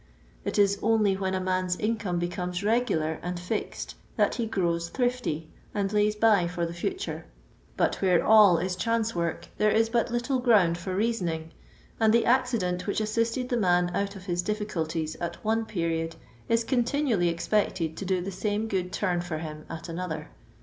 It is only when a num's income becomes regular and fixed that he grows thrifty, and lays by for the future ; but where all is chance work there is but little ground for rea soning, and the accident which assisted the man out of his difficulties at one period is continu ally expected to do the same good turn for him at another.